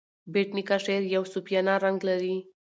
بېټ نیکه شعر یو صوفیانه رنګ لري.